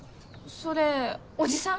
それおじさん？